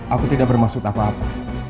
aku tidak bermaksud apa apa